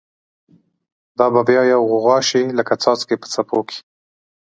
دا به بیا یوه غوغاشی، لکه څاڅکی په څپو کی